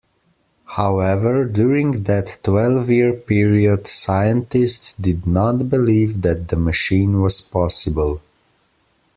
However, during that twelve-year period scientists did not believe that the machine was possible.